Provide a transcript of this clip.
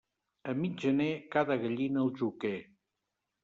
A mig gener, cada gallina al joquer.